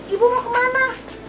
ibu mau kemana